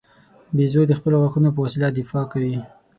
بیزو د خپلو غاښو په وسیله دفاع کوي.